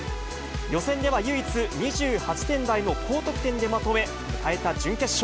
予選では唯一、２８点台の高得点でまとめ、迎えた準決勝。